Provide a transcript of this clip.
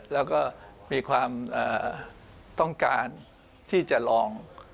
แล้วก็มีความต้องการที่จะลอง